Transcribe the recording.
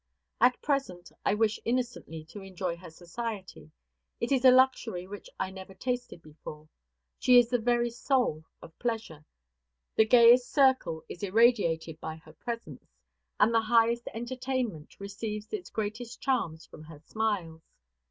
At present, I wish innocently to enjoy her society; it is a luxury which I never tasted before. She is the very soul of pleasure. The gayest circle is irradiated by her presence, and the highest entertainment receives its greatest charms from her smiles.